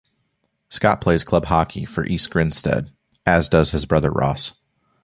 Stott plays club hockey for East Grinstead, as does his brother Ross.